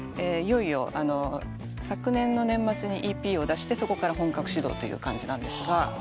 いよいよ昨年の年末にＥＰを出してそこから本格始動って感じなんですが。